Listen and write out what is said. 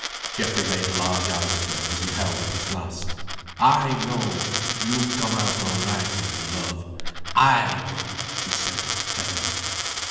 Geoffrey made large eyes at her as he held up his glass. "I know you'll come out all right in love, I know," he said heavily.